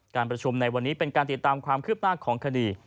การประชุมในวันนี้เป็นการติดตามความคืบหน้าของคดี